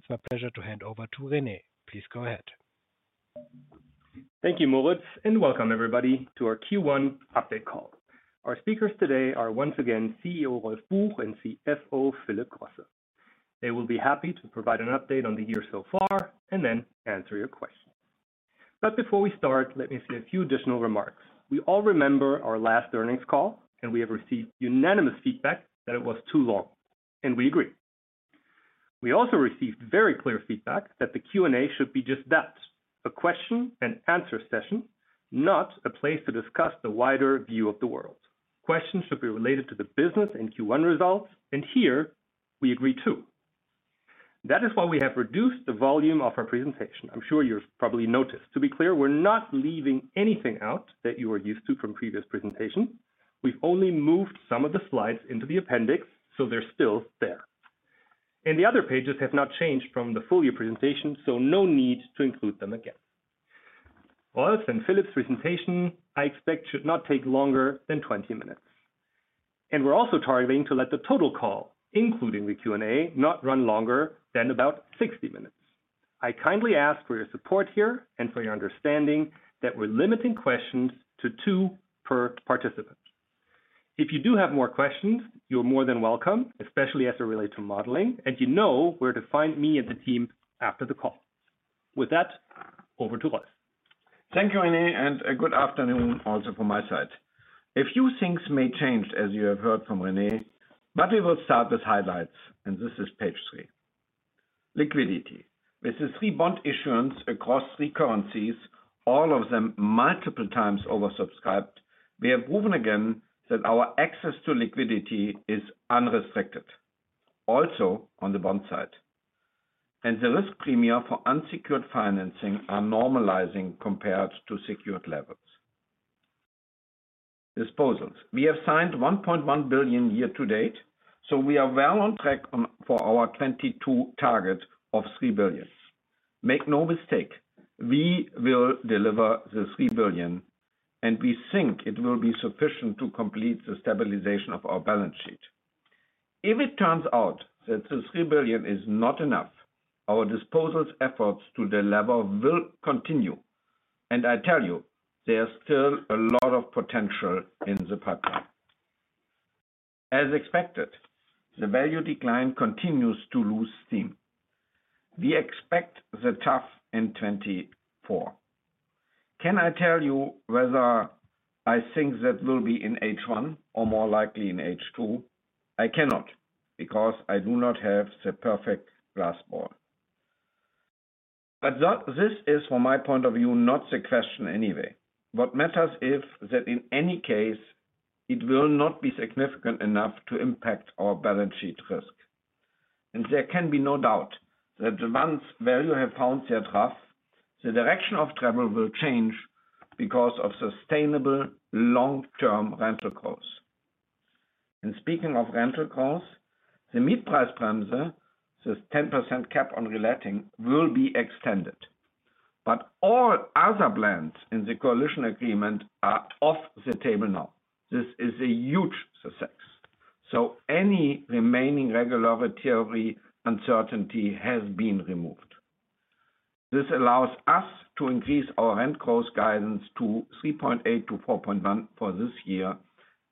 It's my pleasure to hand over to Rene. Please go ahead. Thank you, Moritz, and welcome everybody to our Q1 update call. Our speakers today are once again, CEO Rolf Buch and CFO Philip Grosse. They will be happy to provide an update on the year so far, and then answer your questions. But before we start, let me say a few additional remarks. We all remember our last earnings call, and we have received unanimous feedback that it was too long, and we agree. We also received very clear feedback that the Q&A should be just that, a question and answer session, not a place to discuss the wider view of the world. Questions should be related to the business and Q1 results, and here we agree, too. That is why we have reduced the volume of our presentation. I'm sure you've probably noticed. To be clear, we're not leaving anything out that you are used to from previous presentations. We've only moved some of the slides into the appendix, so they're still there. The other pages have not changed from the full year presentation, so no need to include them again. Rolf and Philip's presentation, I expect, should not take longer than 20 minutes. We're also targeting to let the total call, including the Q&A, not run longer than about 60 minutes. I kindly ask for your support here and for your understanding that we're limiting questions to 2 per participant. If you do have more questions, you're more than welcome, especially as it relates to modeling, and you know where to find me and the team after the call. With that, over to Rolf. Thank you, Rene, and a good afternoon also from my side. A few things may change, as you have heard from Rene, but we will start with highlights, and this is page 3. Liquidity. With the 3 bond issuance across 3 currencies, all of them multiple times oversubscribed, we have proven again that our access to liquidity is unrestricted, also on the bond side. And the risk premia for unsecured financing are normalizing compared to secured levels. Disposals. We have signed 1.1 billion year to date, so we are well on track on for our 2022 target of 3 billion. Make no mistake, we will deliver the 3 billion, and we think it will be sufficient to complete the stabilization of our balance sheet. If it turns out that the EUR 3 billion is not enough, our disposals efforts to the level will continue. I tell you, there's still a lot of potential in the pipeline. As expected, the value decline continues to lose steam. We expect the trough in 2024. Can I tell you whether I think that will be in H1 or more likely in H2? I cannot, because I do not have the perfect crystal ball. But that, this is, from my point of view, not the question anyway. What matters is that in any case, it will not be significant enough to impact our balance sheet risk. And there can be no doubt that once values have found their trough, the direction of travel will change because of sustainable long-term rental growth. And speaking of rental growth, the Mietpreisbremse, this 10% cap on reletting, will be extended. But all other plans in the coalition agreement are off the table now. This is a huge success. Any remaining regulatory uncertainty has been removed. This allows us to increase our rent growth guidance to 3.8%-4.1% for this year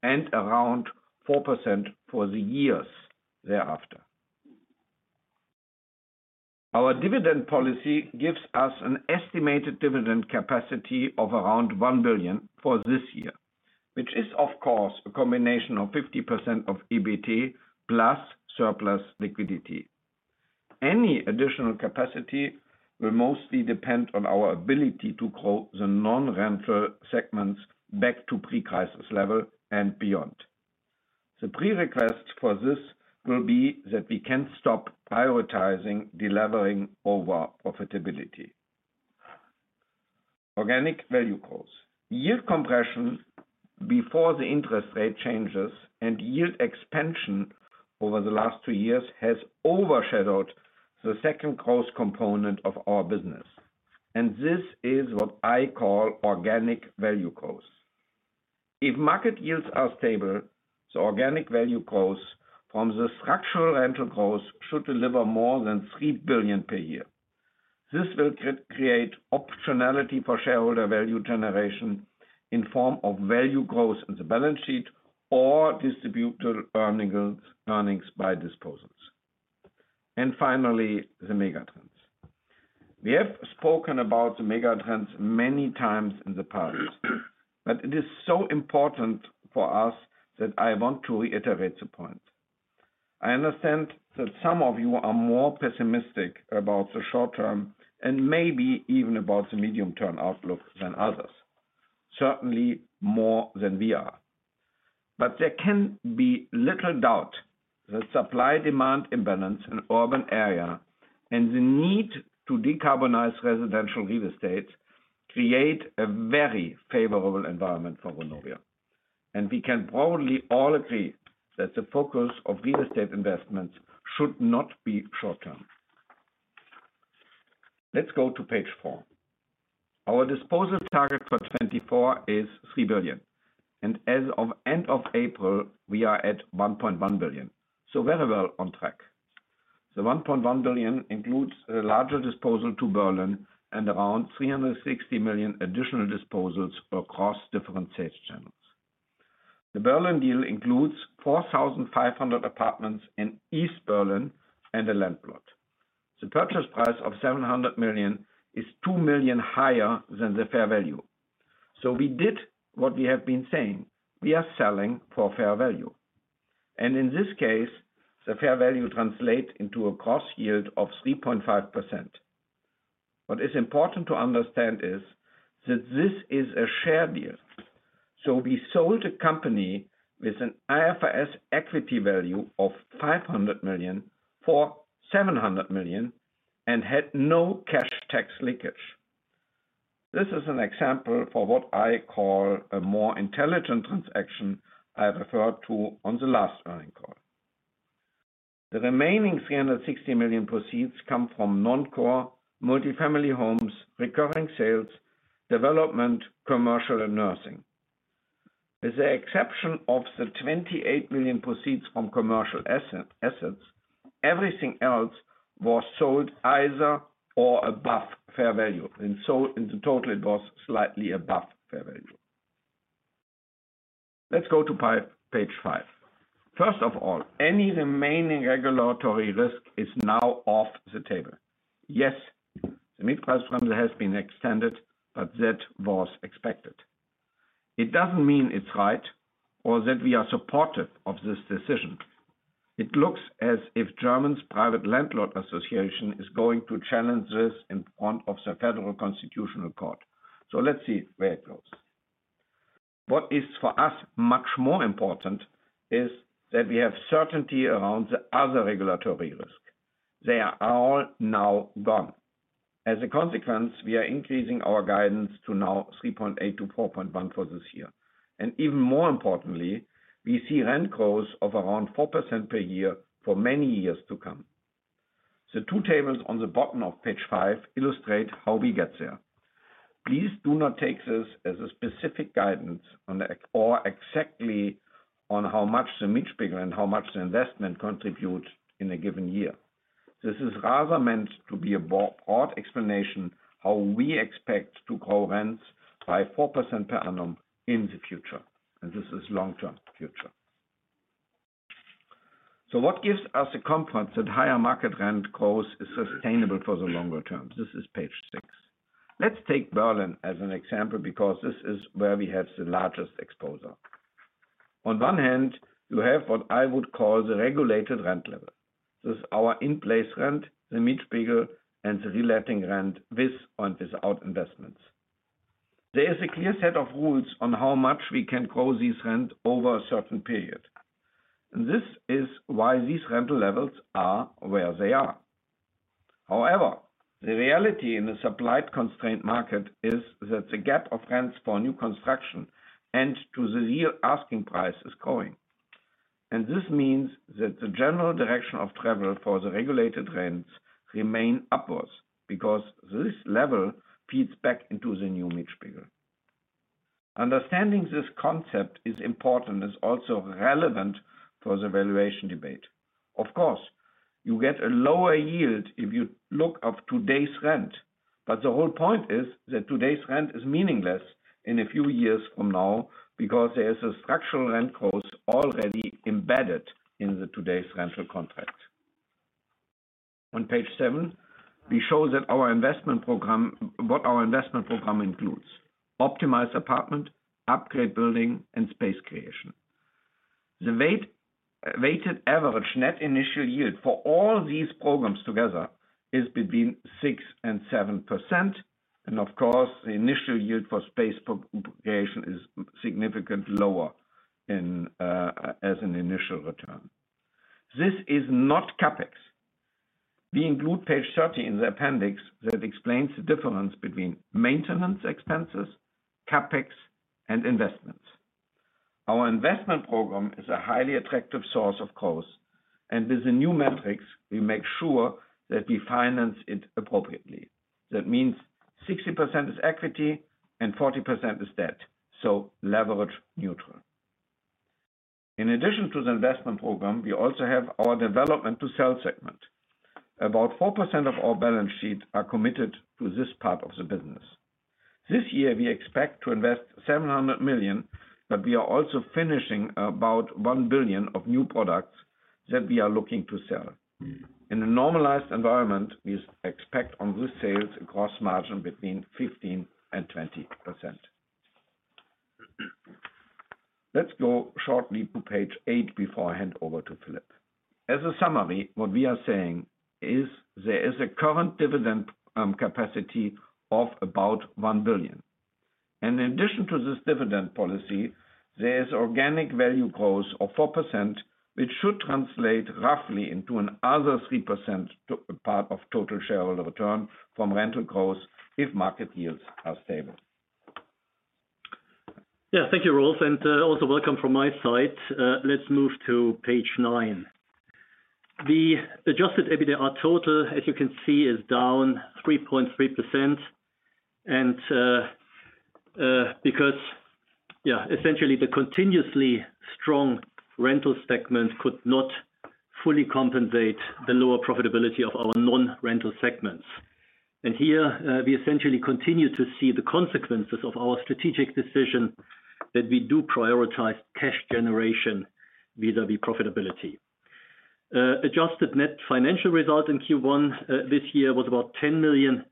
and around 4% for the years thereafter. Our dividend policy gives us an estimated dividend capacity of around 1 billion for this year, which is, of course, a combination of 50% of EBT plus surplus liquidity. Any additional capacity will mostly depend on our ability to grow the non-rental segments back to pre-crisis level and beyond. The pre-request for this will be that we can't stop prioritizing delevering over profitability. Organic value growth. Yield compression before the interest rate changes and yield expansion over the last two years has overshadowed the second growth component of our business. And this is what I call organic value growth. If market yields are stable, the organic value growth from the structural rental growth should deliver more than 3 billion per year. This will create optionality for shareholder value generation in form of value growth in the balance sheet or distribute the earnings, earnings by disposals. And finally, the megatrends. We have spoken about the megatrends many times in the past, but it is so important for us that I want to reiterate the point. I understand that some of you are more pessimistic about the short term and maybe even about the medium-term outlook than others, certainly more than we are. But there can be little doubt the supply-demand imbalance in urban area and the need to decarbonize residential real estate create a very favorable environment for Vonovia. And we can probably all agree that the focus of real estate investments should not be short term. Let's go to page 4. Our disposal target for 2024 is 3 billion, and as of end of April, we are at 1.1 billion, so very well on track. The 1.1 billion includes a larger disposal to Berlin and around 360 million additional disposals across different sales channels. The Berlin deal includes 4,500 apartments in East Berlin and a land plot. The purchase price of 700 million is 2 million higher than the fair value. So we did what we have been saying, we are selling for fair value. And in this case, the fair value translate into a cost yield of 3.5%. What is important to understand is that this is a share deal, so we sold a company with an IFRS equity value of 500 million for 700 million and had no cash tax leakage. This is an example for what I call a more intelligent transaction I referred to on the last earnings call. The remaining 360 million proceeds come from non-core multifamily homes, recurring sales, development, commercial, and nursing. With the exception of the 28 million proceeds from commercial asset, assets, everything else was sold either or above fair value, and so in the total, it was slightly above fair value. Let's go to page 5. First of all, any remaining regulatory risk is now off the table. Yes, the Mietpreisbremse has been extended, but that was expected. It doesn't mean it's right or that we are supportive of this decision. It looks as if Germany's Private Landlord Association is going to challenge this in front of the Federal Constitutional Court. So let's see where it goes. What is, for us, much more important is that we have certainty around the other regulatory risk. They are all now gone. As a consequence, we are increasing our guidance to now 3.8-4.1 for this year. And even more importantly, we see rent growth of around 4% per year for many years to come. The two tables on the bottom of page 5 illustrate how we get there. Please do not take this as a specific guidance on them or exactly on how much the Mietspiegel and how much the investment contributes in a given year. This is rather meant to be a broad, broad explanation, how we expect to grow rents by 4% per annum in the future, and this is long-term future. So what gives us the confidence that higher market rent growth is sustainable for the longer term? This is page 6. Let's take Berlin as an example, because this is where we have the largest exposure. On one hand, you have what I would call the regulated rent level. This is our in-place rent, the Mietspiegel, and the reletting rent, with or without investments. There is a clear set of rules on how much we can grow this rent over a certain period. And this is why these rental levels are where they are. However, the reality in the supply constraint market is that the gap of rents for new construction and to the real asking price is growing. And this means that the general direction of travel for the regulated rents remain upwards, because this level feeds back into the new Mietspiegel. Understanding this concept is important, it's also relevant for the valuation debate. Of course, you get a lower yield if you look up today's rent, but the whole point is that today's rent is meaningless in a few years from now because there is a structural rent growth already embedded in the today's rental contract. On page 7, we show that our investment program, what our investment program includes: optimized apartment, upgrade building, and space creation. The weighted average net initial yield for all these programs together is between 6% and 7%, and of course, the initial yield for space creation is significantly lower, as an initial return. This is not CapEx. We include page 30 in the appendix that explains the difference between maintenance expenses, CapEx, and investments. Our investment program is a highly attractive source, of course, and with the new metrics, we make sure that we finance it appropriately. That means 60% is equity and 40% is debt, so leverage neutral. In addition to the investment program, we also have our development to sell segment. About 4% of our balance sheets are committed to this part of the business. This year, we expect to invest 700 million, but we are also finishing about 1 billion of new products that we are looking to sell. In a normalized environment, we expect on these sales a gross margin between 15%-20%. Let's go shortly to page 8 before I hand over to Philip. As a summary, what we are saying is there is a current dividend capacity of about 1 billion. In addition to this dividend policy, there is organic value growth of 4%, which should translate roughly into another 3% to part of total shareholder return from rental growth if market yields are stable. Yeah, thank you, Rolf, and also welcome from my side. Let's move to page 9. The Adjusted EBITDA total, as you can see, is down 3.3%. And because, yeah, essentially the continuously strong rental segment could not fully compensate the lower profitability of our non-rental segments. And here, we essentially continue to see the consequences of our strategic decision that we do prioritize cash generation vis-à-vis profitability. Adjusted net financial result in Q1 this year was about 10 million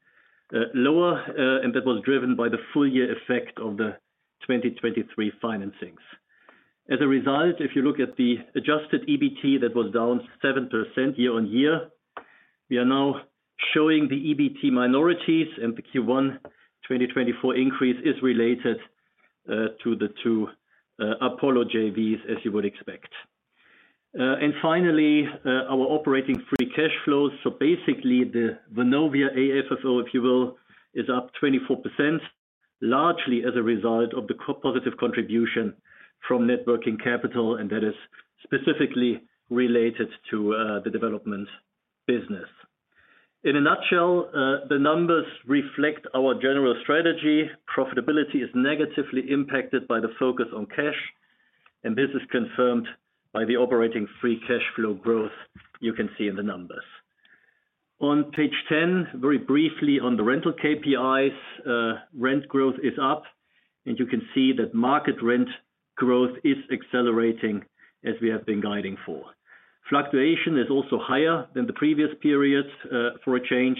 lower, and that was driven by the full-year effect of the 2023 financings. As a result, if you look at the Adjusted EBT, that was down 7% year-on-year, we are now showing the EBT minorities, and the Q1 2024 increase is related to the two Apollo JVs, as you would expect. And finally, our operating free cash flows. So basically, the Vonovia AFFO, if you will, is up 24%, largely as a result of the positive contribution from net working capital, and that is specifically related to the development business. In a nutshell, the numbers reflect our general strategy. Profitability is negatively impacted by the focus on cash, and this is confirmed by the operating free cash flow growth you can see in the numbers. On page 10, very briefly on the rental KPIs, rent growth is up, and you can see that market rent growth is accelerating as we have been guiding for. Fluctuation is also higher than the previous periods, for a change,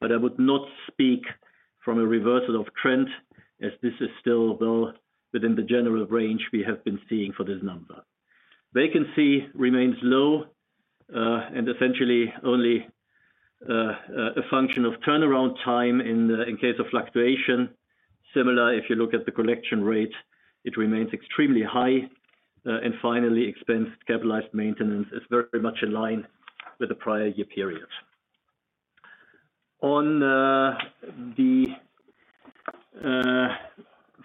but I would not speak of a reversal of trend, as this is still well within the general range we have been seeing for this number. Vacancy remains low, and essentially only a function of turnaround time in the case of fluctuation. Similar, if you look at the collection rate, it remains extremely high. And finally, expense capitalized maintenance is very much in line with the prior year period. On the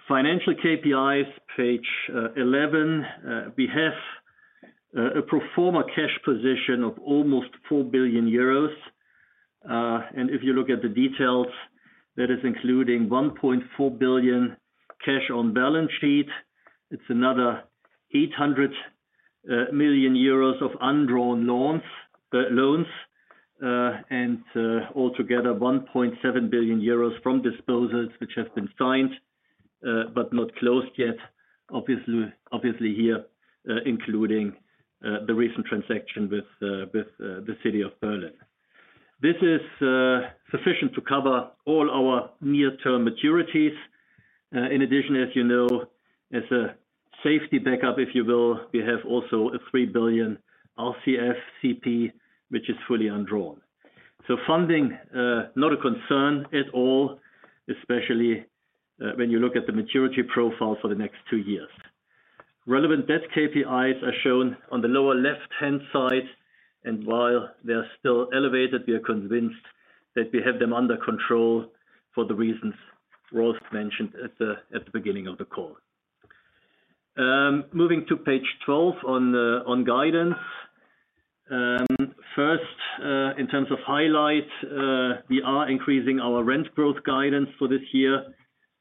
financial KPIs, page 11, we have a pro forma cash position of almost 4 billion euros. And if you look at the details, that is including 1.4 billion cash on balance sheet. It's another 800 million euros of undrawn loans. And altogether, 1.7 billion euros from disposals, which have been signed but not closed yet. Obviously here, including the recent transaction with the city of Berlin. This is sufficient to cover all our near-term maturities. In addition, as you know, as a safety backup, if you will, we have also a 3 billion RCF, which is fully undrawn. So funding not a concern at all, especially when you look at the maturity profile for the next two years. Relevant debt KPIs are shown on the lower left-hand side, and while they are still elevated, we are convinced that we have them under control for the reasons Rolf mentioned at the beginning of the call. Moving to page twelve on the guidance. First, in terms of highlights, we are increasing our rent growth guidance for this year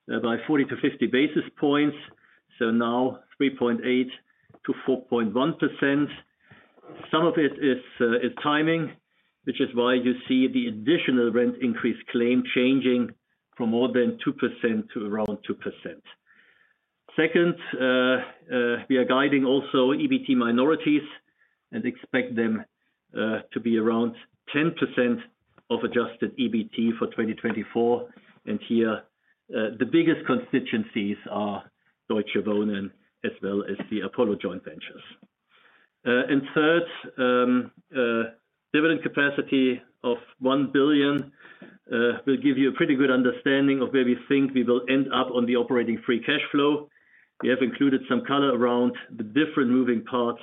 by 40basis points -50 basis points, so now 3.8%-4.1%. Some of it is timing, which is why you see the additional rent increase claim changing from more than 2% to around 2%. Second, we are guiding also EBT minorities and expect them to be around 10% of adjusted EBT for 2024. And here, the biggest constituencies are Deutsche Wohnen as well as the Apollo Joint Ventures. And third, dividend capacity of 1 billion will give you a pretty good understanding of where we think we will end up on the operating free cash flow. We have included some color around the different moving parts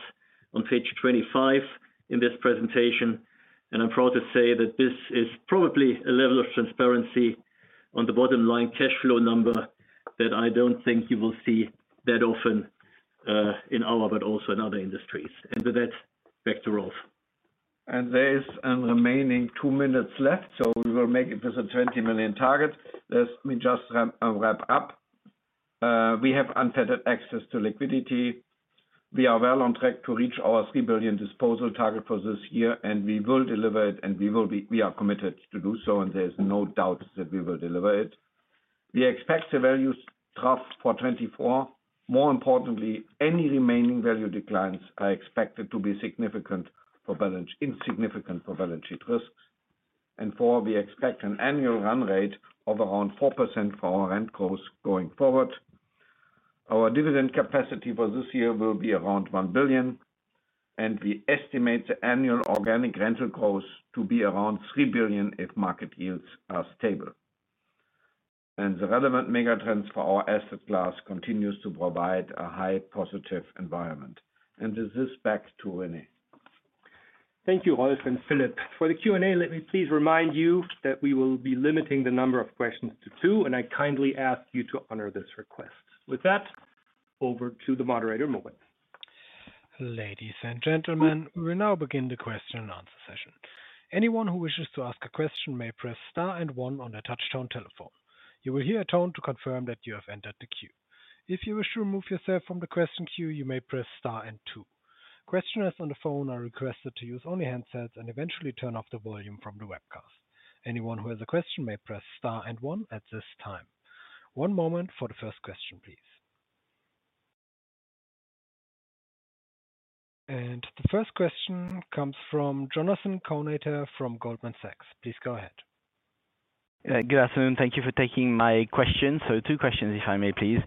on page 25 in this presentation, and I'm proud to say that this is probably a level of transparency on the bottom line cash flow number that I don't think you will see that often in our but also in other industries. And with that, back to Rolf. There is one remaining 2 minutes left, so we will make it with a 20 million target. Let me just wrap up. We have unrestricted access to liquidity. We are well on track to reach our 3 billion disposal target for this year, and we will deliver it, and we will be - we are committed to do so, and there's no doubt that we will deliver it. We expect the value trough for 2024. More importantly, any remaining value declines are expected to be significant for balance - insignificant for balance sheet risks. And four, we expect an annual run rate of around 4% for our rent growth going forward. Our dividend capacity for this year will be around 1 billion, and we estimate the annual organic rental growth to be around 3 billion if market yields are stable. The relevant megatrends for our asset class continues to provide a high positive environment. And with this, back to Rene. Thank you, Rolf and Philip. For the Q&A, let me please remind you that we will be limiting the number of questions to two, and I kindly ask you to honor this request. With that, over to the moderator, Mohammed. Ladies and gentlemen, we will now begin the question and answer session. Anyone who wishes to ask a question may press star and one on their touchtone telephone. You will hear a tone to confirm that you have entered the queue. If you wish to remove yourself from the question queue, you may press star and two. Questioners on the phone are requested to use only handsets and eventually turn off the volume from the webcast. Anyone who has a question may press star and one at this time. One moment for the first question, please. The first question comes from Jonathan Kownator from Goldman Sachs Group, Inc.. Please go ahead. Good afternoon. Thank you for taking my question. So two questions, if I may please.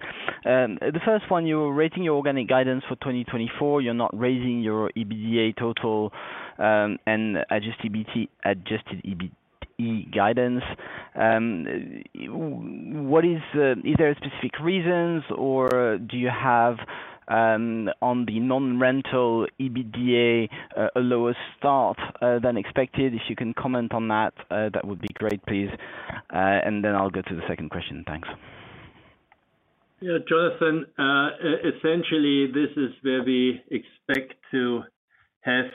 The first one, you were rating your organic guidance for 2024. You're not raising your EBITDA total, and adjusted EBT, adjusted EBITDA guidance. What is the-- is there specific reasons, or do you have, on the non-rental EBITDA, a lower start, than expected? If you can comment on that, that would be great, please. And then I'll get to the second question. Thanks. Yeah, Jonathan, essentially, this is where we expect to have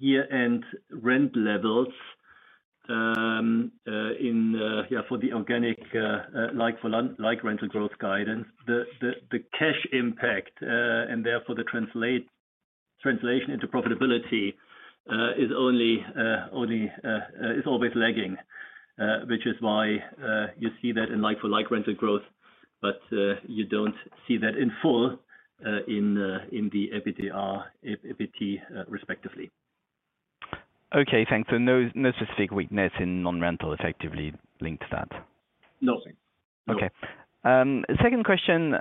year-end rent levels for the organic like-for-like rental growth guidance. The cash impact and therefore the translation into profitability is always lagging, which is why you see that in like-for-like rental growth, but you don't see that in full in the EBITDA, respectively. Okay, thanks. So no, no specific weakness in non-rental effectively linked to that? No. Okay. No. Second question.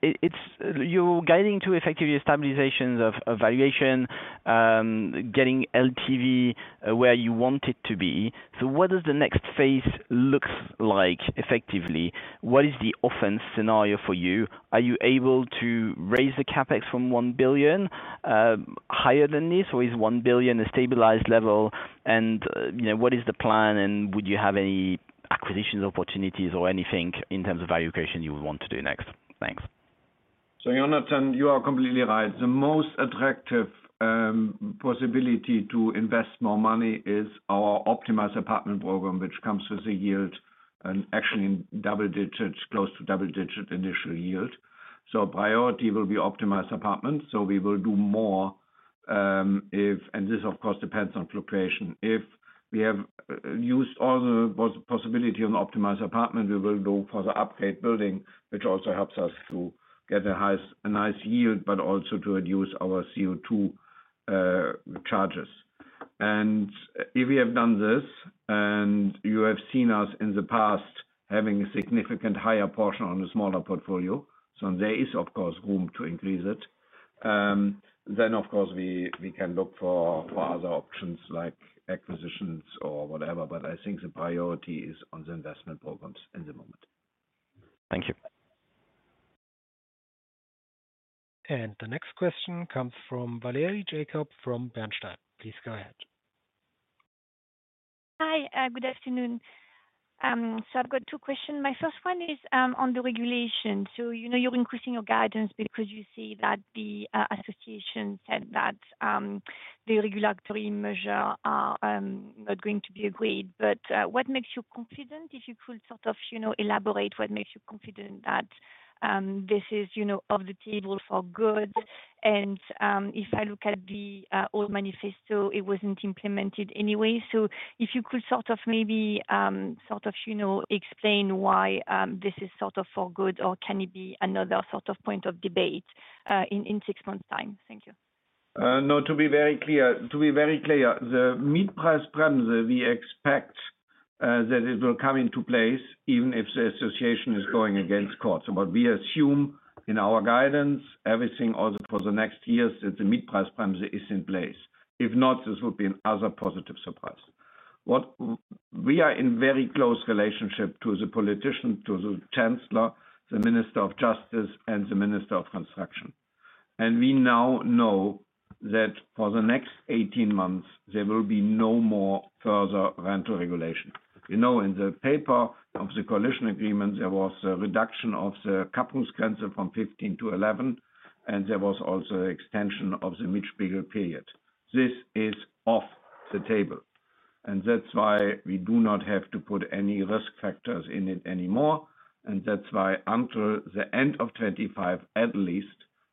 It's you're guiding to effectively stabilization of valuation, getting LTV where you want it to be. So what is the next phase looks like effectively? What is the offense scenario for you? Are you able to raise the CapEx from 1 billion higher than this, or is 1 billion a stabilized level? And, you know, what is the plan, and would you have any acquisitions, opportunities or anything in terms of valuation you would want to do next? Thanks. So, Jonathan, you are completely right. The most attractive possibility to invest more money is our optimized apartment program, which comes with a yield and actually in double digits, close to double-digit initial yield. So priority will be optimized apartments, so we will do more, and this, of course, depends on fluctuation. If we have used all the possibility on optimized apartment, we will go for the upgrade building, which also helps us to get a high, a nice yield, but also to reduce our CO2 charges. And if we have done this, and you have seen us in the past, having a significant higher portion on the smaller portfolio, so there is, of course, room to increase it. Then, of course, we can look for other options like acquisitions or whatever, but I think the priority is on the investment programs at the moment. Thank you. The next question comes from Valerie Jacob, from Bernstein. Please go ahead. Hi, good afternoon. So I've got two questions. My first one is on the regulation. So, you know, you're increasing your guidance because you see that the association said that the regulatory measure are not going to be agreed. But what makes you confident, if you could sort of, you know, elaborate, what makes you confident that this is, you know, off the table for good? And if I look at the old manifesto, it wasn't implemented anyway. So if you could sort of maybe sort of, you know, explain why this is sort of for good, or can it be another sort of point of debate in six months' time? Thank you. No, to be very clear, to be very clear, the Mietpreisbremse, we expect that it will come into place even if the association is going to court. What we assume in our guidance, everything, all for the next years, that the Mietpreisbremse is in place. If not, this would be another positive surprise. What... We are in very close relationship to the politicians, to the chancellor, the Minister of Justice, and the Minister of Construction. And we now know that for the next 18 months, there will be no more further rental regulation. You know, in the paper of the coalition agreement, there was a reduction of the Kappungsgrenze from 15 to 11, and there was also extension of the Mietpreisbremse. This is off the table, and that's why we do not have to put any risk factors in it anymore. And that's why until the end of 2025, at least,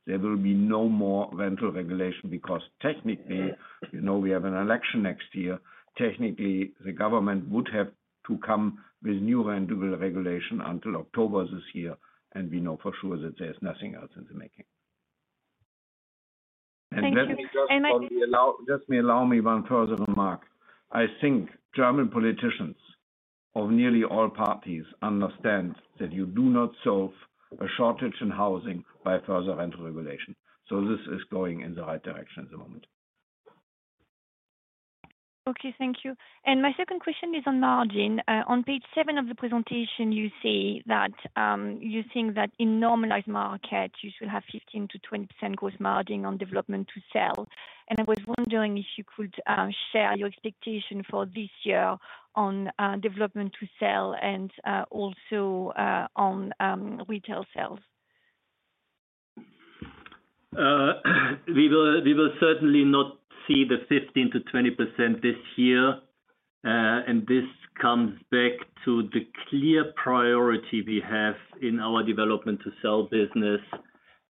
there will be no more rental regulation, because technically, you know, we have an election next year. Technically, the government would have to come with new rent regulation until October this year, and we know for sure that there is nothing else in the making. Thank you. Just allow me one further remark. I think German politicians of nearly all parties understand that you do not solve a shortage in housing by further rental regulation. So this is going in the right direction at the moment. Okay, thank you. My second question is on margin. On page 7 of the presentation, you say that you think that in normalized market, you should have 15%-20% gross margin on development to sell. And I was wondering if you could share your expectation for this year on development to sell and also on retail sales. We will, we will certainly not see the 15%-20% this year. And this comes back to the clear priority we have in our development to sell business,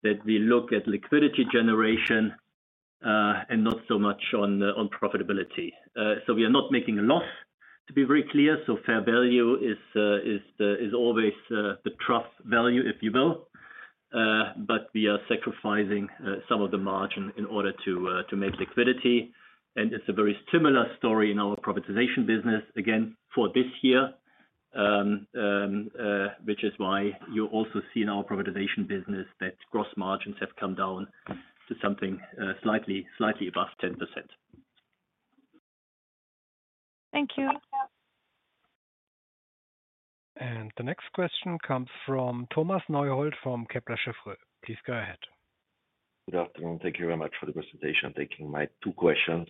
that we look at liquidity generation, and not so much on, on profitability. So we are not making a loss, to be very clear. So fair value is, is the, is always, the trust value, if you will. But we are sacrificing, some of the margin in order to, to make liquidity. And it's a very similar story in our privatization business, again, for this year. Which is why you also see in our privatization business that gross margins have come down to something, slightly, slightly above 10%. Thank you. The next question comes from Thomas Neuhold, from Kepler Cheuvreux. Please go ahead. Good afternoon. Thank you very much for the presentation. Taking my 2 questions.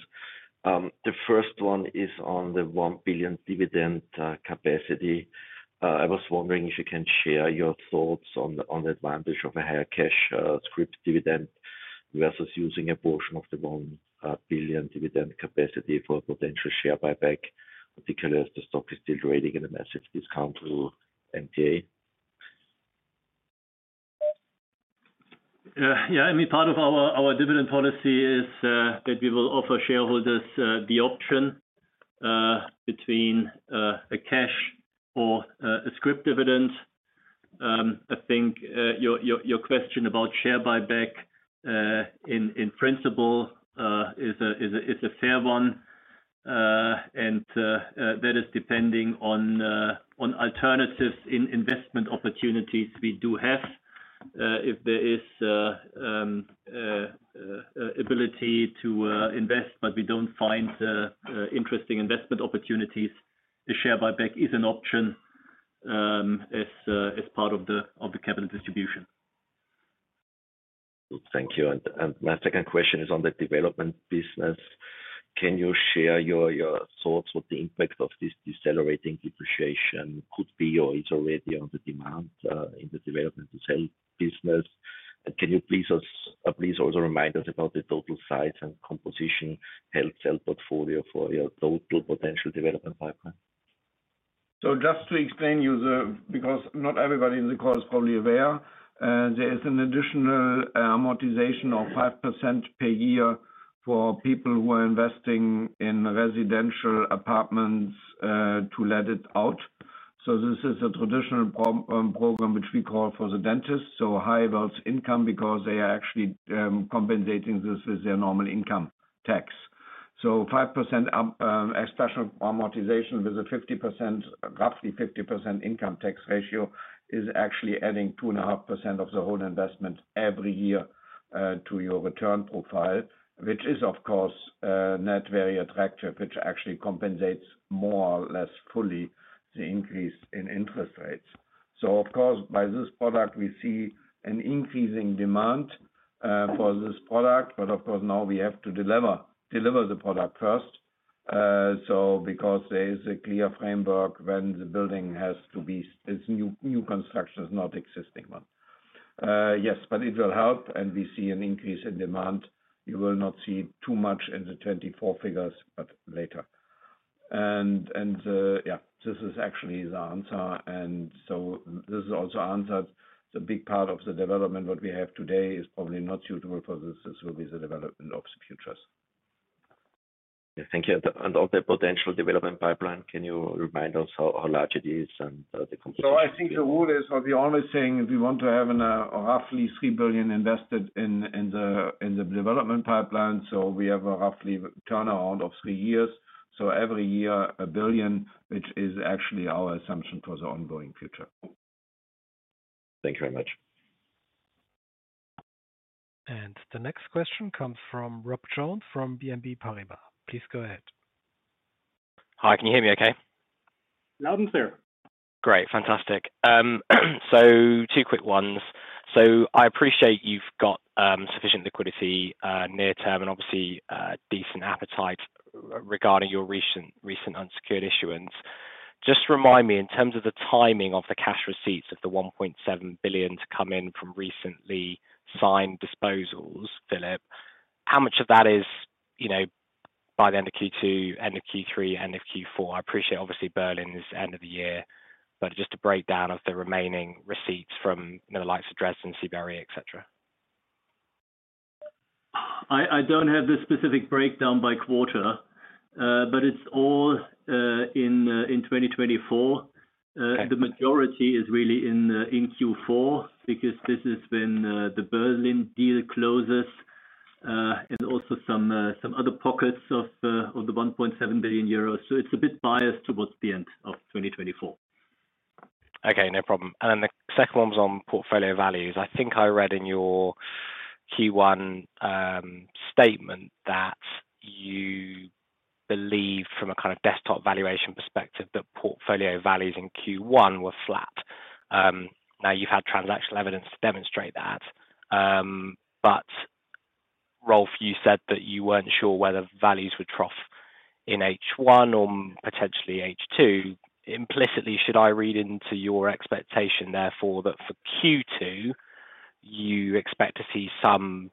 The first one is on the 1 billion dividend capacity. I was wondering if you can share your thoughts on the, on the advantage of a higher cash script dividend, versus using a portion of the 1 billion dividend capacity for potential share buyback, particularly as the stock is still trading at a massive discount to MTA? Yeah, I mean, part of our dividend policy is that we will offer shareholders the option between a cash or a scrip dividend. I think your question about share buyback in principle is a fair one. And that is depending on alternatives in investment opportunities we do have, if there is ability to invest, but we don't find interesting investment opportunities, the share buyback is an option, as part of the capital distribution. Thank you. And my second question is on the development business. Can you share your thoughts what the impact of this decelerating depreciation could be, or it's already on the demand in the development to sell business? Can you please also remind us about the total size and composition, held portfolio for your total potential development pipeline? Because not everybody in the call is probably aware, there is an additional amortization of 5% per year for people who are investing in residential apartments to let it out. So this is a traditional pro program, which we call for the dentist. So high adults income, because they are actually compensating this with their normal income tax. So 5% as special amortization with a 50%, roughly 50% income tax ratio, is actually adding 2.5% of the whole investment every year to your return profile, which is, of course, net very attractive, which actually compensates more or less fully the increase in interest rates. So of course, by this product, we see an increasing demand for this product, but of course, now we have to deliver the product first. So because there is a clear framework when the building has to be, it's new construction, not existing one. Yes, but it will help, and we see an increase in demand. You will not see too much in the 2024 figures, but later. Yeah, this is actually the answer. And so this is also answered. The big part of the development, what we have today, is probably not suitable for this. This will be the development of the futures. Thank you. And of the potential development pipeline, can you remind us how large it is and the competition? So I think the rule is, or the only thing, we want to have a roughly 3 billion invested in the development pipeline. So we have a roughly turnaround of three years. So every year, 1 billion, which is actually our assumption for the ongoing future. Thank you very much. The next question comes from Rob Jones, from BNP Paribas. Please go ahead. Hi, can you hear me okay? Loud and clear. Great, fantastic. Two quick ones. I appreciate you've got sufficient liquidity near term, and obviously decent appetite regarding your recent, recent unsecured issuance. Just remind me, in terms of the timing of the cash receipts of the 1.7 billion to come in from recently signed disposals, Philip, how much of that is, you know, by the end of Q2, end of Q3, end of Q4? I appreciate obviously Berlin is end of the year, but just a breakdown of the remaining receipts from the likes of Dresden, Seeberg, et cetera. I don't have the specific breakdown by quarter, but it's all in 2024. Okay. The majority is really in Q4, because this is when the Berlin deal closes, and also some other pockets of the 1.7 billion euros. So it's a bit biased towards the end of 2024. Okay, no problem. And then the second one was on portfolio values. I think I read in your Q1 statement that you believe from a kind of desktop valuation perspective, that portfolio values in Q1 were flat. Now you've had transactional evidence to demonstrate that. But Rolf, you said that you weren't sure whether values would trough in H1 or potentially H2. Implicitly, should I read into your expectation, therefore, that for Q2, you expect to see some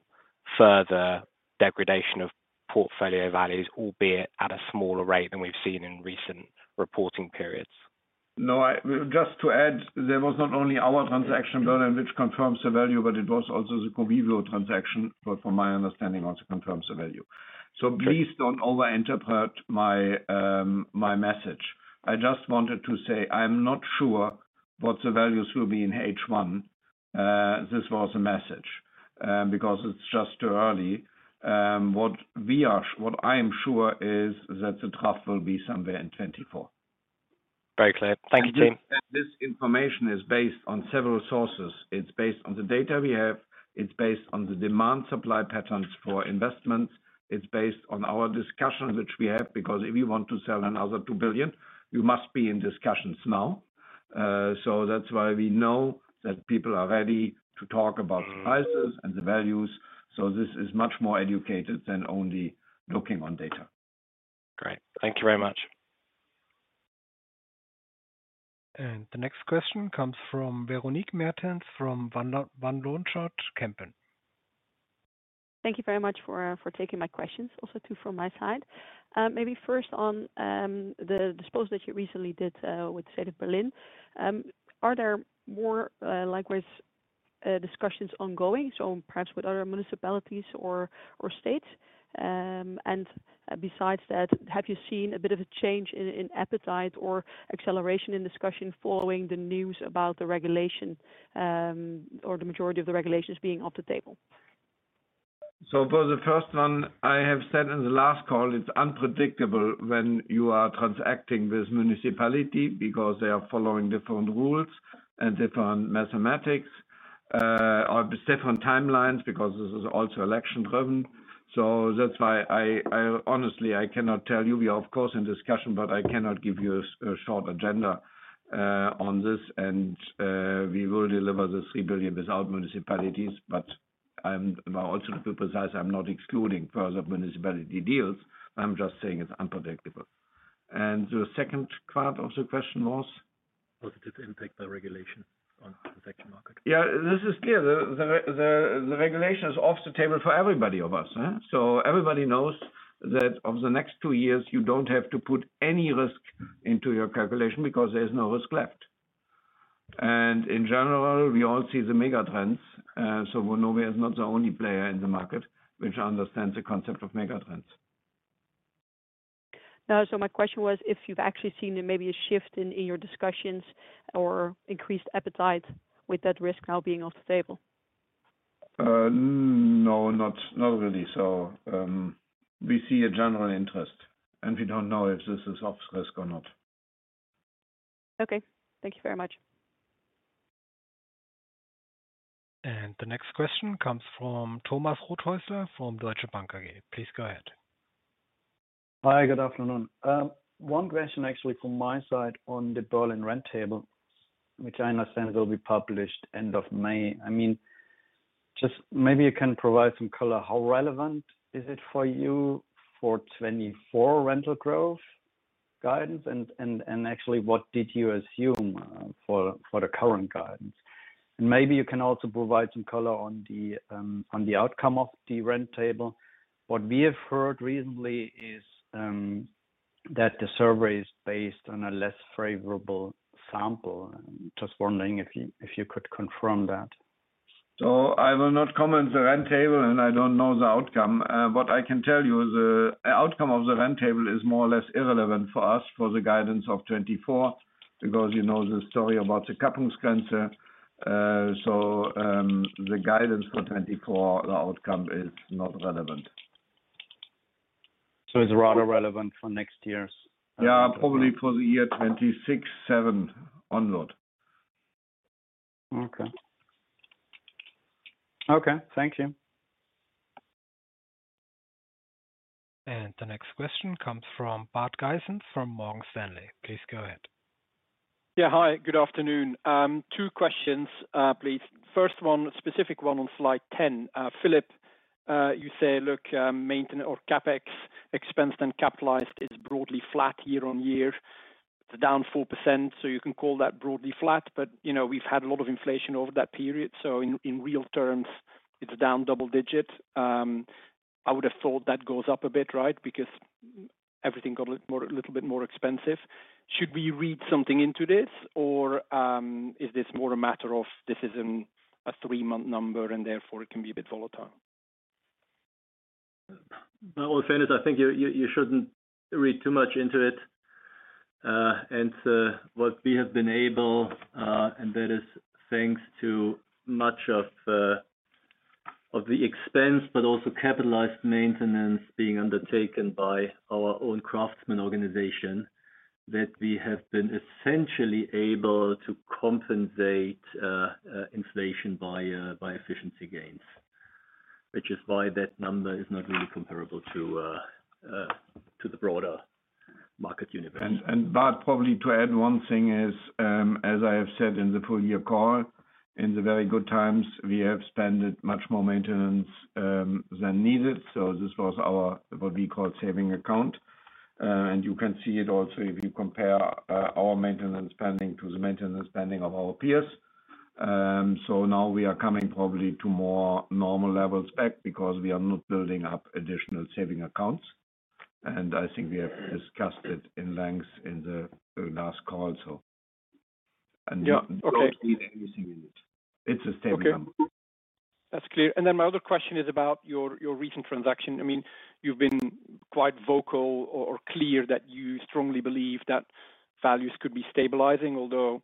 further degradation of portfolio values, albeit at a smaller rate than we've seen in recent reporting periods? No, just to add, there was not only our transaction, Berlin, which confirms the value, but it was also the Covivio transaction, but from my understanding, also confirms the value. Okay. So please don't overinterpret my message. I just wanted to say I'm not sure what the values will be in H1. This was the message, because it's just too early. What I am sure is that the trough will be somewhere in 2024. Very clear. Thank you, team. This, and this information is based on several sources. It's based on the data we have, it's based on the demand-supply patterns for investments. It's based on our discussions, which we have, because if you want to sell another 2 billion, you must be in discussions now. So that's why we know that people are ready to talk about prices and the values. This is much more educated than only looking on data. Great. Thank you very much. The next question comes from Veronique Mertens, from Van Lanschot Kempen. Thank you very much for taking my questions, also two from my side. Maybe first on the disposal that you recently did with the state of Berlin. Are there more likewise discussions ongoing, so perhaps with other municipalities or states? And besides that, have you seen a bit of a change in appetite or acceleration in discussion following the news about the regulation or the majority of the regulations being off the table? So for the first one, I have said in the last call, it's unpredictable when you are transacting with municipality because they are following different rules and different mathematics, or different timelines, because this is also election-driven. So that's why I, I honestly, I cannot tell you. We are, of course, in discussion, but I cannot give you a, a short agenda, on this, and, we will deliver the 3 billion without municipalities. But I'm, also to be precise, I'm not excluding further municipality deals. I'm just saying it's unpredictable. And the second part of the question was? Positive impact by regulation on transaction market. Yeah, this is clear. The regulation is off the table for everybody of us, eh? So everybody knows that of the next two years, you don't have to put any risk into your calculation because there is no risk left. And in general, we all see the mega trends, so Vonovia is not the only player in the market which understands the concept of mega trends. So my question was, if you've actually seen maybe a shift in your discussions or increased appetite with that risk now being off the table? No, not really. We see a general interest, and we don't know if this is off risk or not. Okay. Thank you very much. The next question comes from Thomas Rothaeusler from Deutsche Bank AG. Please go ahead. Hi, good afternoon. One question actually from my side on the Berlin rent table, which I understand will be published end of May. I mean, just maybe you can provide some color, how relevant is it for you for 2024 rental growth guidance? And actually, what did you assume for the current guidance? And maybe you can also provide some color on the outcome of the rent table. What we have heard recently is that the survey is based on a less favorable sample. Just wondering if you could confirm that. I will not comment the rent table, and I don't know the outcome. What I can tell you, the outcome of the rent table is more or less irrelevant for us for the guidance of 2024, because you know the story about the Kappungsgrenze. The guidance for 2024, the outcome is not relevant. It's rather relevant for next year's? Yeah, probably for the year 2026, 2027 onward. Okay. Okay, thank you. The next question comes from Bart Gysens from Morgan Stanley. Please go ahead. Yeah, hi. Good afternoon. Two questions, please. First one, specific one on slide 10. Philipp, you say, look, maintenance or CapEx, expense, then capitalized is broadly flat year on year. It's down 4%, so you can call that broadly flat, but, you know, we've had a lot of inflation over that period. So in, in real terms, it's down double digit. I would have thought that goes up a bit, right? Because everything got a little more, a little bit more expensive. Should we read something into this, or, is this more a matter of this is in a three-month number, and therefore it can be a bit volatile? Well, in fairness, I think you shouldn't read too much into it. And what we have been able to, and that is thanks to much of the expense, but also capitalized maintenance being undertaken by our own craftsman organization, that we have been essentially able to compensate inflation by efficiency gains. Which is why that number is not really comparable to the broader market universe. But probably to add one thing is, as I have said in the full-year call, in the very good times, we have spent much more maintenance than needed. So this was our, what we call savings account. And you can see it also if you compare our maintenance spending to the maintenance spending of our peers. So now we are coming probably to more normal levels back because we are not building up additional savings accounts. And I think we have discussed it at length in the last call, so- Yeah. Okay. It's a stable number. Okay. That's clear. My other question is about your recent transaction. I mean, you've been quite vocal or clear that you strongly believe that values could be stabilizing, although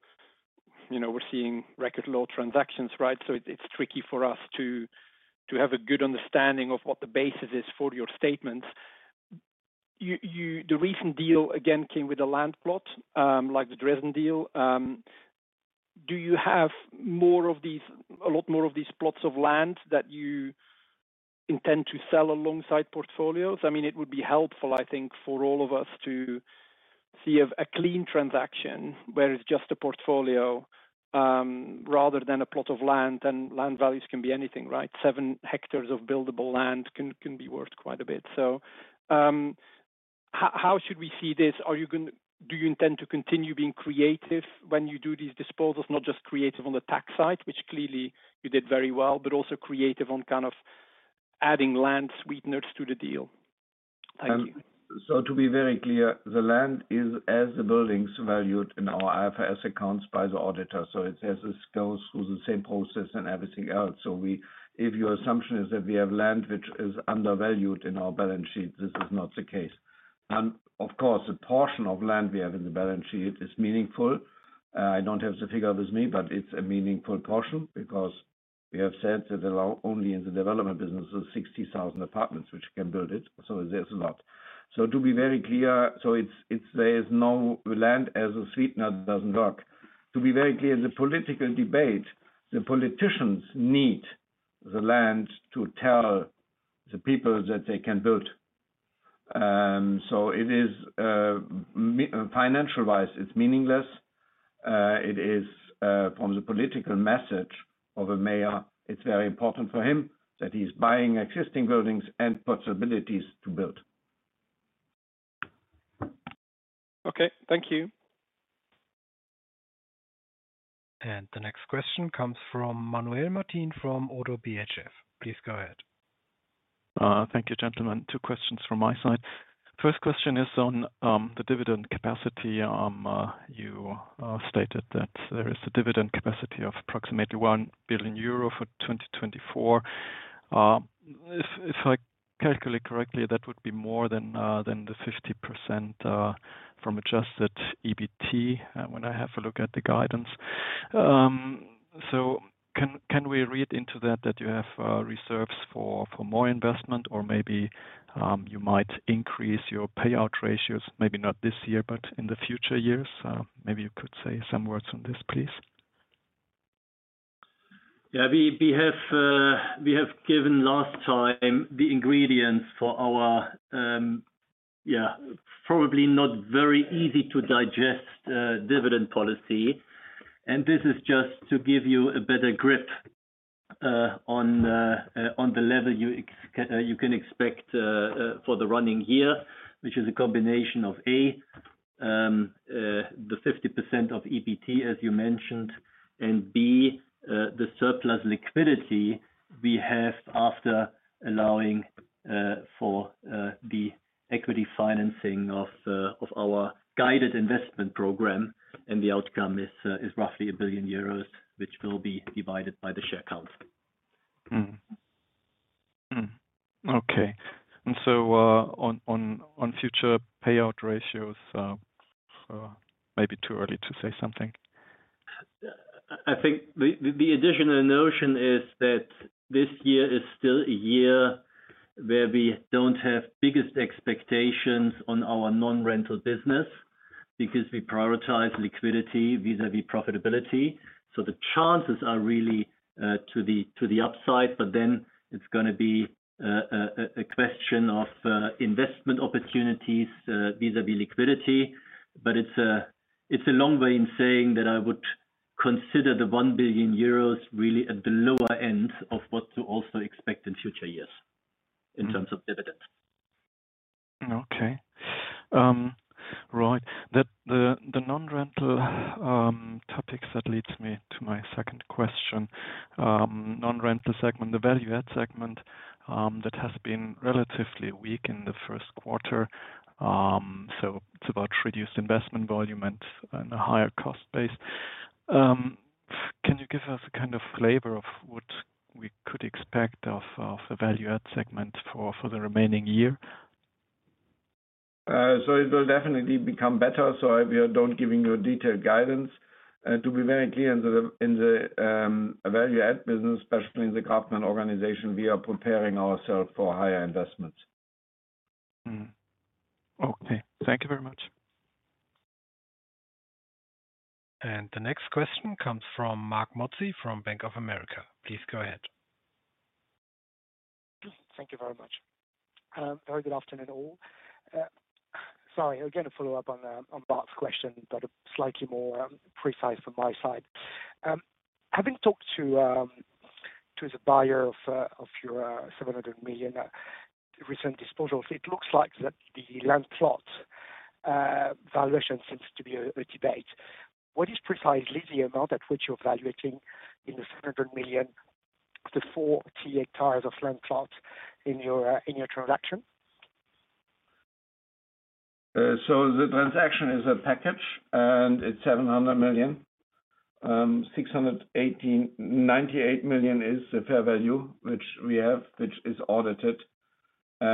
you know, we're seeing record low transactions, right? It's tricky for us to have a good understanding of what the basis is for your statements. The recent deal again came with a land plot like the Dresden deal. Do you have a lot more of these plots of land that you intend to sell alongside portfolios? I mean, it would be helpful, I think, for all of us to see a clean transaction where it's just a portfolio rather than a plot of land, and land values can be anything, right? Seven hectares of buildable land can be worth quite a bit. So, how should we see this? Do you intend to continue being creative when you do these disposals? Not just creative on the tax side, which clearly you did very well, but also creative on kind of adding land sweeteners to the deal. Thank you. So to be very clear, the land is as the buildings valued in our IFRS accounts by the auditor, so it has, this goes through the same process and everything else. So we, if your assumption is that we have land which is undervalued in our balance sheet, this is not the case. And of course, a portion of land we have in the balance sheet is meaningful. I don't have the figure with me, but it's a meaningful portion because we have said that there are only in the development business of 60,000 apartments, which can build it. So there's a lot. So to be very clear, so it's, it's there's no land as a sweetener doesn't work. To be very clear, the political debate, the politicians need the land to tell the people that they can build. So it is, financial-wise, it's meaningless. It is, from the political message of a mayor, it's very important for him that he's buying existing buildings and possibilities to build. Okay, thank you. The next question comes from Manuel Martin from ODDO BHF. Please go ahead. Thank you, gentlemen. Two questions from my side. First question is on the dividend capacity. You stated that there is a dividend capacity of approximately 1 billion euro for 2024. If I calculate correctly, that would be more than the 50% from adjusted EBT when I have a look at the guidance. So can we read into that that you have reserves for more investment or maybe you might increase your payout ratios? Maybe not this year, but in the future years. Maybe you could say some words on this, please. Yeah, we have given last time the ingredients for our, yeah, probably not very easy to digest, dividend policy. And this is just to give you a better grip on the level you can expect for the running year, which is a combination of, A, the 50% of EBT, as you mentioned, and B, the surplus liquidity we have after allowing for the equity financing of our guided investment program, and the outcome is roughly 1 billion euros, which will be divided by the share count. Mm-hmm. Mm-hmm. Okay. And so, on future payout ratios, maybe too early to say something. I think the additional notion is that this year is still a year where we don't have biggest expectations on our non-rental business because we prioritize liquidity vis-a-vis profitability. So the chances are really to the upside, but then it's gonna be a question of investment opportunities vis-a-vis liquidity. But it's a long way in saying that I would consider the 1 billion euros really at the lower end of what to also expect in future yearIn Mm-hmm. In terms of dividends. Okay. Right. The non-rental topics that leads me to my second question. Non-rental segment, the value add segment, that has been relatively weak in the first quarter. So it's about reduced investment volume and a higher cost base. Can you give us a kind of flavor of what we could expect of the value add segment for the remaining year? So it will definitely become better, so I, we are don't giving you a detailed guidance. To be very clear in the value add business, especially in the craftsman organization, we are preparing ourselves for higher investments. Okay, thank you very much. The next question comes from Mark Mozzi, from Bank of America. Please go ahead. Thank you very much. Very good afternoon, all. Sorry, again, to follow up on, on Mark's question, but slightly more, precise from my side. Having talked to, to the buyer of, of your, 700 million recent disposals, it looks like that the land plot, valuation seems to be a, a debate. What is precisely the amount at which you're valuating in the 700 million, the 4 key hectares of land plot in your, in your transaction? So the transaction is a package, and it's 700 million. Six hundred eighteen point ninety-eight million is the fair value, which we have, which is audited. We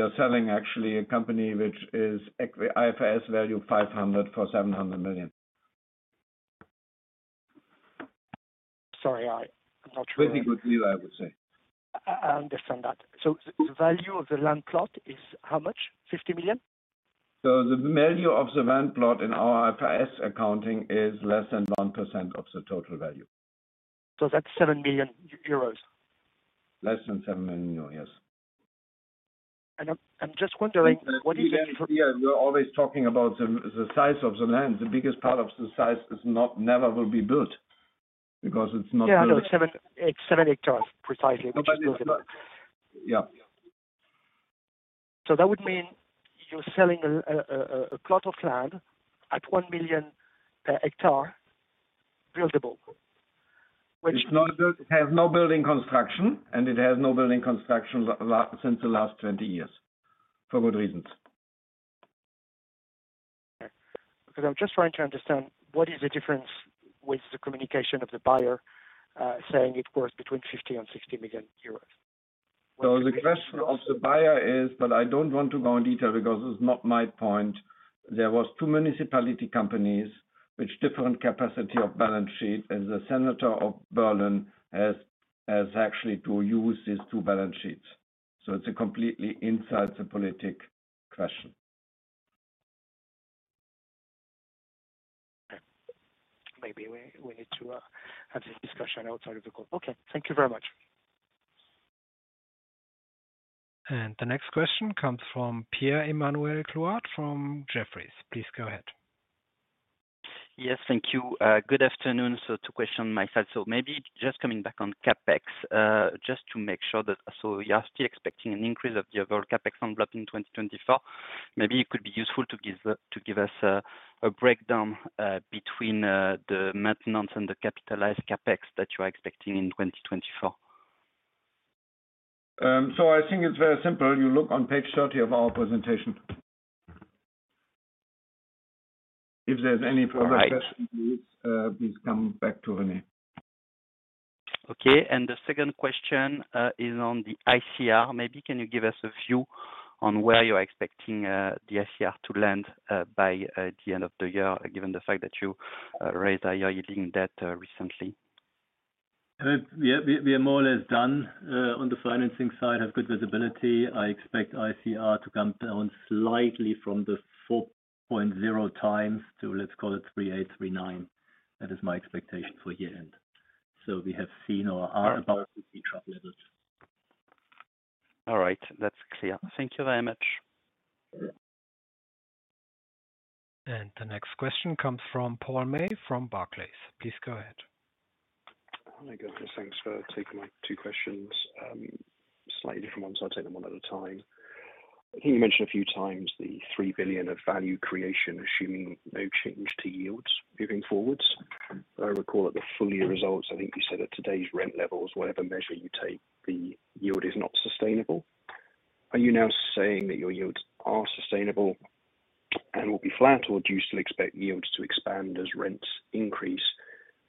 are selling actually a company which is equity IFRS value 500 for 700 million. Sorry, I'm not sure. Pretty good deal, I would say. I understand that. So the value of the land plot is how much? 50 million? The value of the land plot in our IFRS accounting is less than 1% of the total value. That's 7 million euros. Less than 7 million, yes. I'm just wondering what is the. Yeah, we're always talking about the size of the land. The biggest part of the size is not, never will be built, because it's not build. Yeah, I know. 7hectares, it's 7 hectares, precisely, which is buildable. Yeah. So that would mean you're selling a plot of land at 1 million per hectare buildable, which It's not built. It has no building construction, and it has no building construction since the last 20 years, for good reasons. Okay. Because I'm just trying to understand, what is the difference with the communication of the buyer, saying it's worth between 50 million and 60 million euros? The question of the buyer is, but I don't want to go into detail because it's not my point. There was two municipality companies with different capacity of balance sheet, and the senator of Berlin has actually to use these two balance sheets. So it's a completely inside the political question. Okay. Maybe we need to have this discussion outside of the call. Okay, thank you very much. The next question comes from Pierre-Emmanuel Clouard from Jefferies. Please go ahead. Yes, thank you. Good afternoon. So two questions on my side. So maybe just coming back on CapEx, just to make sure that... So you are still expecting an increase of the overall CapEx envelope in 2024. Maybe it could be useful to give us a breakdown between the maintenance and the capitalized CapEx that you are expecting in 2024. I think it's very simple. You look on page 30 of our presentation. If there's any further question, please, please come back to Rene. Okay, and the second question is on the ICR. Maybe can you give us a view on where you're expecting the ICR to land by the end of the year, given the fact that you raised a high-yielding debt recently? We are more or less done on the financing side, have good visibility. I expect ICR to come down slightly from the 4.0 times to, let's call it 3.8, 3.9. That is my expectation for year-end. So we have seen or are about to see trough levels. All right. That's clear. Thank you very much. The next question comes from Paul May from Barclays. Please go ahead. Hi, guys. Thanks for taking my two questions. Slightly different ones, I'll take them one at a time. I think you mentioned a few times the 3 billion of value creation, assuming no change to yields moving forwards. I recall at the full year results, I think you said at today's rent levels, whatever measure you take, the yield is not sustainable. Are you now saying that your yields are sustainable and will be flat, or do you still expect yields to expand as rents increase,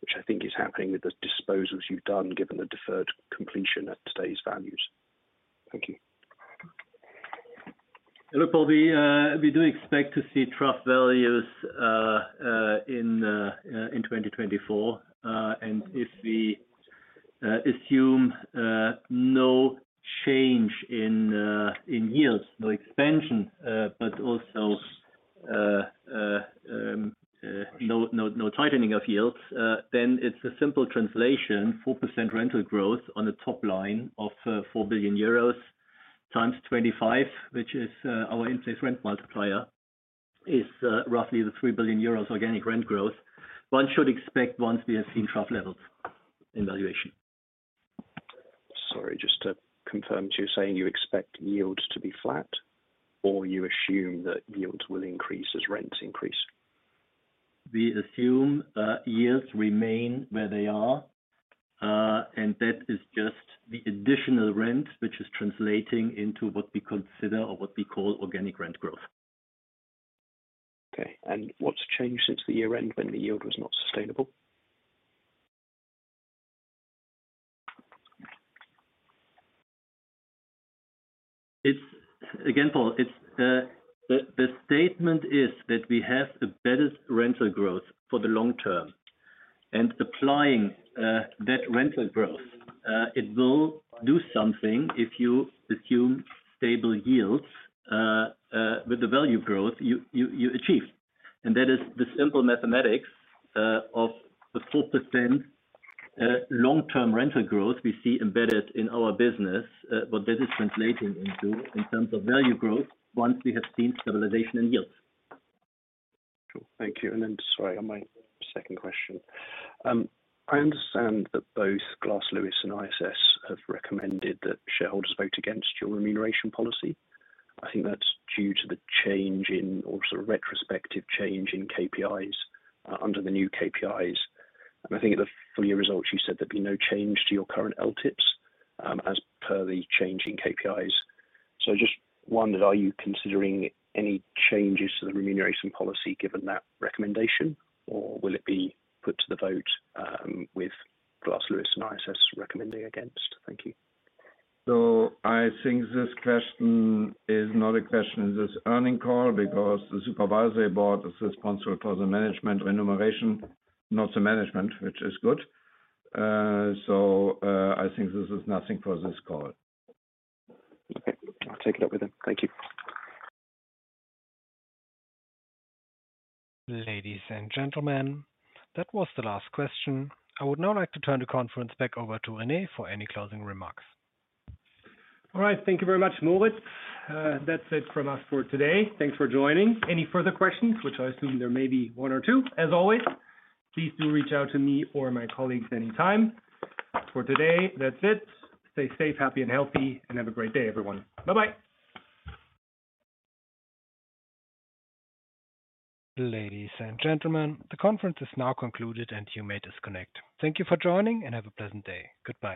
which I think is happening with the disposals you've done, given the deferred completion at today's values? Thank you. Hello, Paul. We do expect to see trough values in 2024. If we assume no change in yields, no expansion, but also no tightening of yields, then it's a simple translation, 4% rental growth on the top line of 4 billion euros, times 25, which is our in-place rent multiplier, is roughly the 3 billion euros organic rent growth. One should expect once we have seen trough levels in valuation. Sorry, just to confirm, so you're saying you expect yields to be flat, or you assume that yields will increase as rents increase? We assume yields remain where they are, and that is just the additional rent, which is translating into what we consider or what we call organic rent growth. Okay. And what's changed since the year-end when the yield was not sustainable? It's, again, Paul, it's the statement is that we have the better rental growth for the long term. And applying that rental growth, it will do something if you assume stable yields with the value growth you achieve. And that is the simple mathematics of the 4% long-term rental growth we see embedded in our business, what that is translating into in terms of value growth once we have seen stabilization in yields. Sure. Thank you, and then, sorry, on my second question. I understand that both Glass Lewis and ISS have recommended that shareholders vote against your remuneration policy. I think that's due to the change in or sort of retrospective change in KPIs, under the new KPIs. And I think for your results, you said there'd be no change to your current LTIPs, as per the change in KPIs. So just wondered, are you considering any changes to the remuneration policy given that recommendation, or will it be put to the vote, with Glass Lewis and ISS recommending against? Thank you. So I think this question is not a question in this earnings call, because the Supervisory Board is responsible for the management remuneration, not the management, which is good. I think this is nothing for this call. Okay. I'll take it up with them. Thank you. Ladies and gentlemen, that was the last question. I would now like to turn the conference back over to Rene for any closing remarks. All right. Thank you very much, Moritz. That's it from us for today. Thanks for joining. Any further questions, which I assume there may be one or two, as always, please do reach out to me or my colleagues anytime. For today, that's it. Stay safe, happy, and healthy, and have a great day, everyone. Bye-bye. Ladies and gentlemen, the conference is now concluded, and you may disconnect. Thank you for joining, and have a pleasant day. Goodbye.